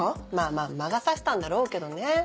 まぁ魔が差したんだろうけどね。